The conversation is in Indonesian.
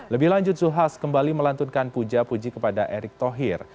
lebih lanjut zulkifli hasan kembali melantunkan puja puji kepada erick thohir